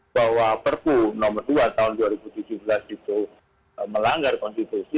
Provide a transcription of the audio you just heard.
bahwa perpu nomor dua tahun dua ribu tujuh belas itu melanggar konstitusi